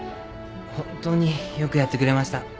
本当によくやってくれました。